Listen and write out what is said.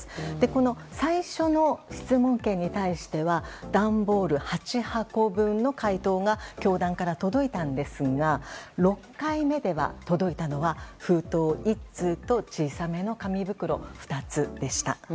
この最初の質問権に対しては段ボール８箱分の回答が教団から届いたんですが６回目で届いたのは封筒１通と小さめの紙袋２つでした。